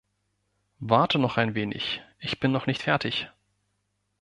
Warte noch ein wenig. Ich bin noch nicht fertig.